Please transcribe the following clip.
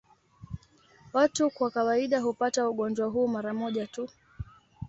Watu kwa kawaida hupata ugonjwa huu mara moja tu.